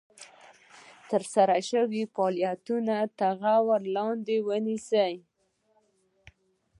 ترسره شوي فعالیتونه تر غور لاندې نیسي.